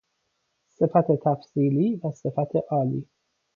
صفت تفضیلی و صفت عالی